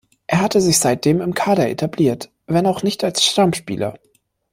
Er hatte sich seitdem im Kader etabliert, wenn auch nicht als Stammspieler.